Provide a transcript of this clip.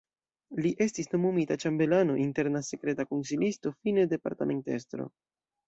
Li estis nomumita ĉambelano, interna sekreta konsilisto, fine departementestro.